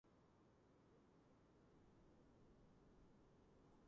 დამუშავებული მიწის ფართობით ინდოეთი პირველ ადგილზეა.